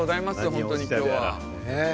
本当に今日は。